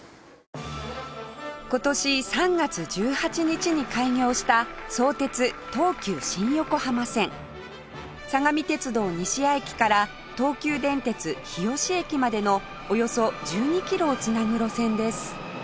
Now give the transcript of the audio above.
今年３月１８日に開業した相鉄・東急新横浜線相模鉄道西谷駅から東急電鉄日吉駅までのおよそ１２キロをつなぐ路線です